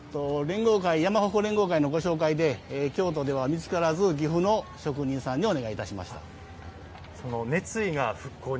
山鉾連合会のご紹介で京都では見つからず岐阜の職人さんにお願いいたしました。